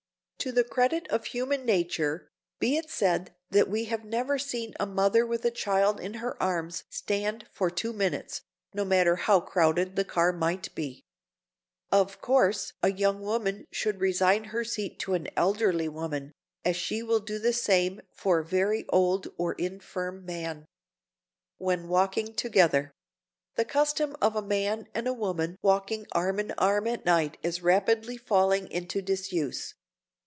To the credit of human nature, be it said that we have never seen a mother with a child in her arms stand for two minutes, no matter how crowded the car might be. Of course a young woman should resign her seat to an elderly woman, as she will do the same for a very old or infirm man. [Sidenote: WHEN WALKING TOGETHER] The custom of a man and a woman walking arm in arm at night is rapidly falling into disuse.